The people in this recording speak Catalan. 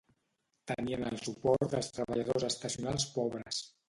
Tenien el suport dels treballadors estacionals pobres.